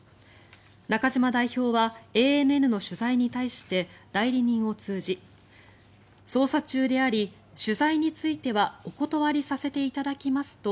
中嶋代表はＡＮＮの取材に対して代理人を通じ捜査中であり取材についてはお断りさせていただきますと